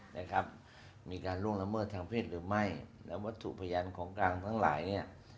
นะครับมีการล่วงละเมิดทางเพศหรือไม่แล้ววัตถุพยานของกลางทั้งหลายเนี่ย